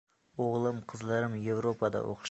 O‘g‘lim, qizlarim Yevropada o‘qishdi